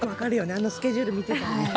あのスケジュール見てたら。